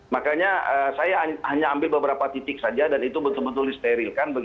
makanya saya hanya ambil beberapa titik saja dan itu betul betul disterilkan